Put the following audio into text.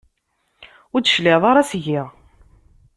Ur d-tecliɛeḍ ara seg-i.